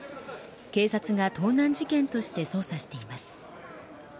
警察が盗難事件として捜査しています。